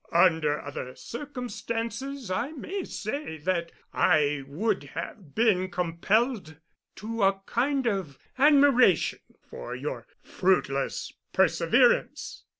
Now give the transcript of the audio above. Under other circumstances I may say that I would have been compelled to a kind of admiration for your fruitless perseverance.